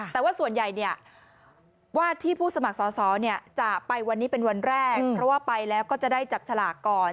แต่ว่าส่วนใหญ่เนี่ยว่าที่ผู้สมัครสอสอจะไปวันนี้เป็นวันแรกเพราะว่าไปแล้วก็จะได้จับฉลากก่อน